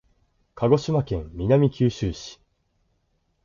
鹿児島県南九州市